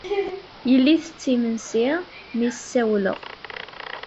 Yella itett imensi mi as-sawleɣ.